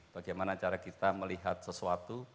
bagaimana cara kita melihat sesuatu